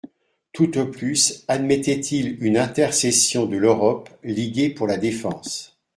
Tout au plus admettait-il une intercession de l'Europe, liguée pour la défense.